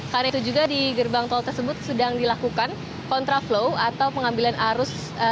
karena itu juga di gerbang tol tersebut sedang dilakukan kontraflow atau pengambilan arus